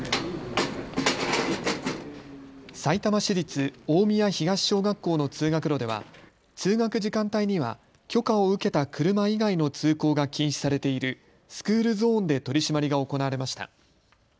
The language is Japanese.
さいたま市立大宮東小学校の通学路では通学時間帯には許可を受けた車以外の通行が禁止されているスクールゾーンで取締りが行われました。